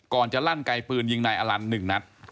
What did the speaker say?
ก่อนจะลั่นไกลปืนยิงนายอลัน๑นัด